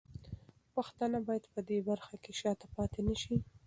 پښتانه باید په دې برخه کې شاته پاتې نه شي.